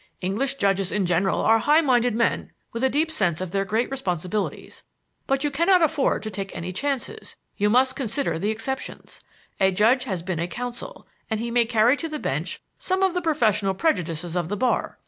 English judges in general are high minded men with a deep sense of their great responsibilities. But you cannot afford to take any chances. You must consider the exceptions. A judge has been a counsel, and he may carry to the bench some of the professional prejudices of the bar.